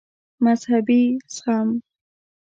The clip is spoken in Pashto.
مذهبي زغم